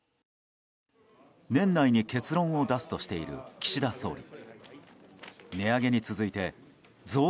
年内に結論を出すとしている岸田総理。